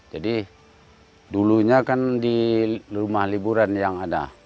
jadi dulunya kan di rumah liburan yang ada